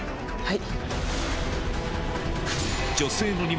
はい。